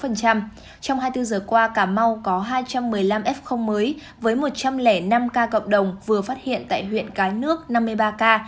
trong hai mươi bốn giờ qua cà mau có hai trăm một mươi năm f mới với một trăm linh năm ca cộng đồng vừa phát hiện tại huyện cái nước năm mươi ba ca